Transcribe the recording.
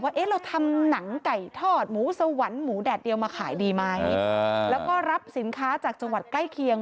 เอ๊ะเราทำหนังไก่ทอดหมูสวรรค์หมูแดดเดียวมาขายดีไหมแล้วก็รับสินค้าจากจังหวัดใกล้เคียง